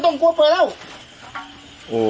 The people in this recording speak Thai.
ต้องกลัวเป่อเร็ว